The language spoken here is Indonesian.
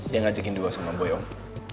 dia ngajakin dua sama boy om